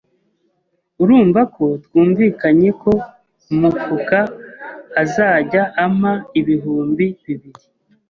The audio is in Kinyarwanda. urumvako twumvikanyeko umufuka azajya ampa ibihumbi bibiri